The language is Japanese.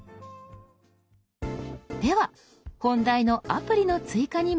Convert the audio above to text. では本題のアプリの追加に戻りましょう。